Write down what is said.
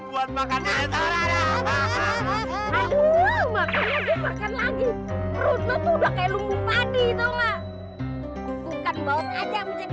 bukan bau kaca bisa dijual